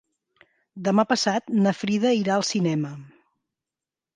Demà passat na Frida irà al cinema.